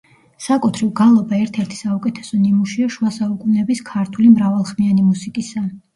საკუთრივ გალობა, ერთ-ერთი საუკეთესო ნიმუშია შუა საუკუნეების ქართული მრავალხმიანი მუსიკისა.